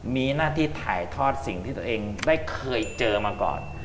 มีหน้าที่ถ่ายทอดสิ่งที่ตัวเองได้เคยเจอมาก่อน